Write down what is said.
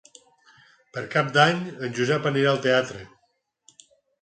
Per Cap d'Any en Josep anirà al teatre.